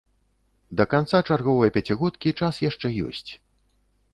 Да канца чарговай пяцігодкі час яшчэ ёсць.